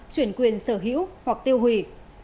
chuyển quyền sở hữu hoặc tiêu hủy